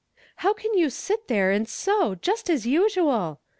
"How can you sit there and sew, just as usual